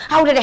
ah udah deh